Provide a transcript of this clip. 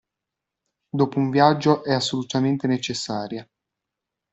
Dopo un viaggio è assolutamente necessaria.